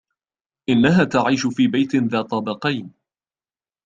إنها تعيش في بيت ذا طابقين.